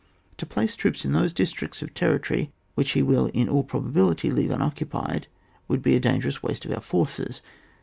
To plaice troops in those districts of territory which he will in all probability leave unoccupied, would be dangerous waste of our forces.